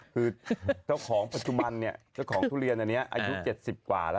คือเจ้าของปัจจุบันเนี่ยเจ้าของทุเรียนอันนี้อายุ๗๐กว่าแล้ว